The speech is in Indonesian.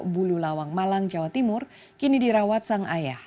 bululawang malang jawa timur kini dirawat sang ayah